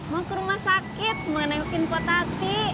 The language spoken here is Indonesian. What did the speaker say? mau ke rumah sakit menemkin potati